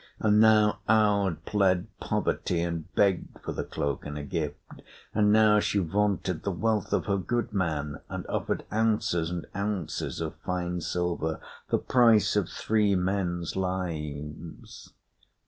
And now Aud pled poverty and begged for the cloak in a gift; and now she vaunted the wealth of her goodman and offered ounces and ounces of fine silver, the price of three men's lives.